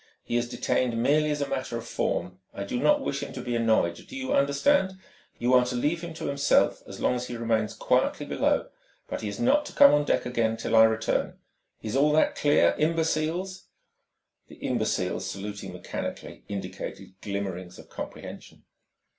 He is detained merely as a matter of form. I do not wish him to be annoyed. Do you understand? You are to leave him to himself as long as he remains quietly below. But he is not to come on deck again till I return. Is all that clear, imbeciles?" The imbeciles, saluting mechanically, indicated glimmerings of comprehension.